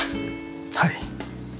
はい。